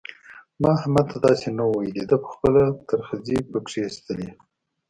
ما احمد ته داسې نه وو ويلي؛ ده په خپله ترخځي په کښېيستلې.